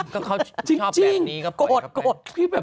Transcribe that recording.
ก็เขาชอบแบบนี้ก็ปล่อยเขาไป